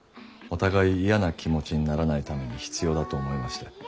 お互い嫌な気持ちにならないために必要だと思いまして。